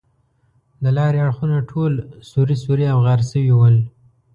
د لارې اړخونه ټول سوري سوري او غار شوي ول.